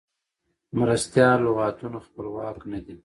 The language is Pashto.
مرستیال لغتونه خپلواک نه دي.